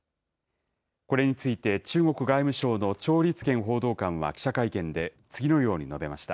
これについて、中国外務省の趙立堅報道官は記者会見で、次のように述べました。